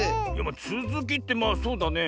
つづきってまあそうだね。